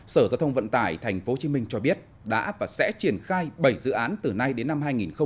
sở giao thông vận tải tp hcm cho biết đã và sẽ triển khai bảy dự án từ nay đến năm hai nghìn hai mươi